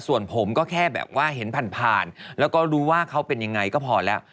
ส่วนผมก็แค่แบบว่าเห็นผ่านผ่านแล้วก็รู้ว่าเขาเป็นยังไงก็พอแล้ว